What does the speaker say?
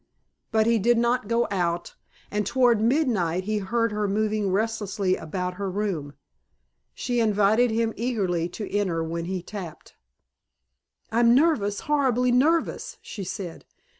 But he did not go out, and toward midnight he heard her moving restlessly about her room. She invited him eagerly to enter when he tapped. "I'm nervous, horribly nervous," she said.